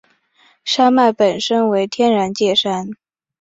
山脉本身为天然界山。